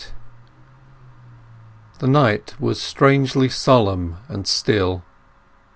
LVIII The night was strangely solemn and still.